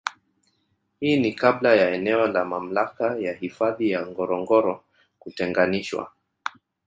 Hii ni Kabla ya eneo la mamlaka ya hifadhi ya Ngorongoro kutenganishwa